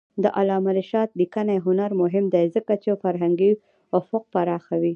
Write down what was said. د علامه رشاد لیکنی هنر مهم دی ځکه چې فرهنګي افق پراخوي.